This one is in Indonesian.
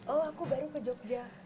oh aku baru ke jogja